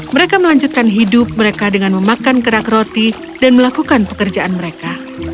mereka melanjutkan hidup mereka dengan memakan kerak roti dan melakukan pekerjaan mereka